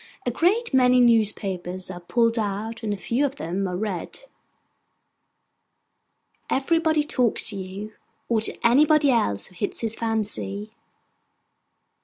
A great many newspapers are pulled out, and a few of them are read. Everybody talks to you, or to anybody else who hits his fancy.